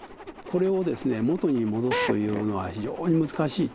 これをですね元に戻すというのは非常に難しい。